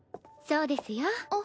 そうですよ。